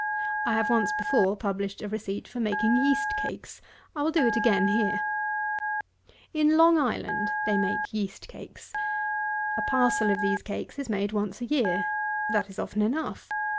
I have once before published a receipt for making yeast cakes, I will do it again here. 204. In Long Island they make yeast cakes. A parcel of these cakes is made once a year. That is often enough.